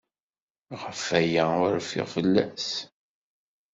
Ɣef waya ay rfiɣ fell-as.